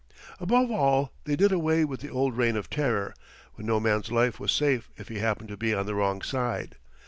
Above all, they did away with the old reign of terror, when no man's life was safe if he happened to be on the wrong side.